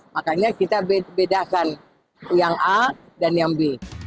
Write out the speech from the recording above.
makanya kita bedakan yang a dan yang b